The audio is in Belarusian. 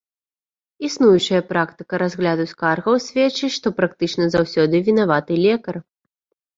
Існуючая практыка разгляду скаргаў сведчыць, што практычна заўсёды вінаваты лекар.